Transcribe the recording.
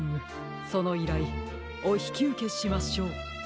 そのいらいおひきうけしましょう。